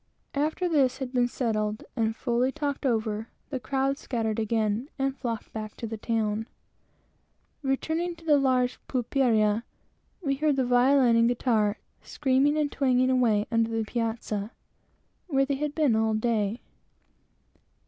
After this had been settled, and fully talked over, the crowd scattered again and flocked back to the town. Returning to the large pulperia, we found the violin and guitar screaming and twanging away under the piazza, where they had been all day.